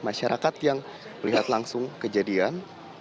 masyarakat yang melihat langsung kejadian